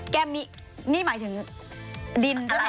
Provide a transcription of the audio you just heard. แกมีนี่หมายถึงดินอะไร